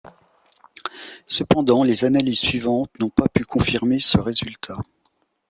Cependant, les analyses suivantes n'ont pas pu confirmer ce résultat.